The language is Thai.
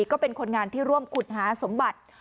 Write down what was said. ก็เป็นคนงานที่ร่วมขุดหาสมบัติ